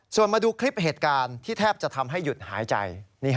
ส่วนมาดูคลิปเหตุการณ์ที่แทบจะทำให้หยุดหายใจ